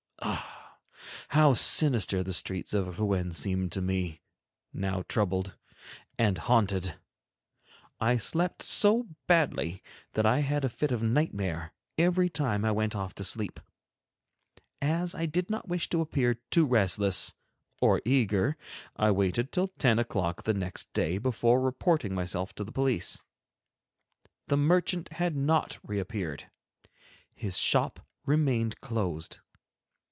Ah! how sinister the streets of Rouen seemed to me, now troubled and haunted! I slept so badly that I had a fit of nightmare every time I went off to sleep. As I did not wish to appear too restless or eager, I waited till ten o'clock the next day before reporting myself to the police. The merchant had not reappeared. His shop remained closed.